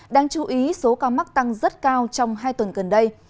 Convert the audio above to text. đáng chú ý số ca mắc tăng rất cao trong hai tuần gần đây